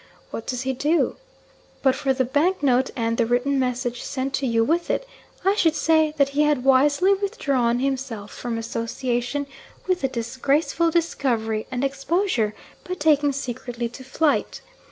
What does he do? But for the bank note and the written message sent to you with it, I should say that he had wisely withdrawn himself from association with a disgraceful discovery and exposure, by taking secretly to flight.